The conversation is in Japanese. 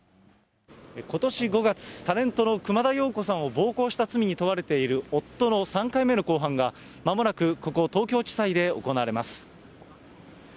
ことし５月、タレントの熊田曜子さんを暴行した罪に問われている夫の３回目の公判がまもなくここ、東京地裁で行われます。